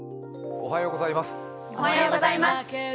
おはようございます。